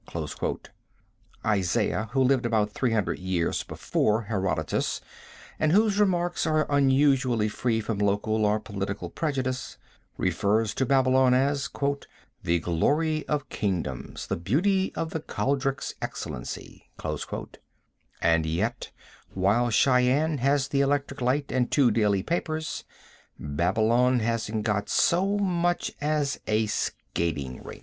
Isaiah, who lived about 300 years before Herodotus, and whose remarks are unusually free from local or political prejudice, refers to Babylon as "the glory of kingdoms, the beauty of the Chaldic's excellency," and, yet, while Cheyenne has the electric light and two daily papers, Babylon hasn't got so much as a skating rink.